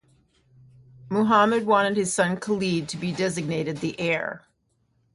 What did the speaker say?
Muhammad wanted his son Khalid to be designated the heir.